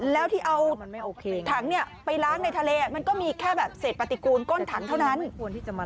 แล้วที่เอาถังไปล้างในทะเลมันก็มีแค่แบบเศษปฏิกูลก้นถังเท่านั้น